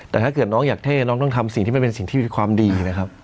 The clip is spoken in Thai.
แต่ถ้าเกิดน้องอยากเท่น้องต้องทำสิ่งที่มันเป็นสิ่งที่มีความดีนะครับ